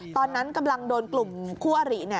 ตอนนั้นกำลังโดนกลุ่มคู่อริ